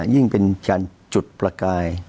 ยิ่งเป็นการจุดประกาย